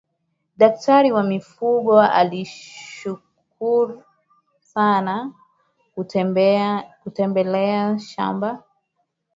daktari wa mifugo alishukru sana kutembelea shamba